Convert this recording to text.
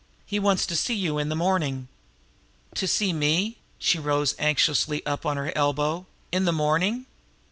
He wants to see you in the morning." "To see me" she rose up anxiously on her elbow "in the morning?"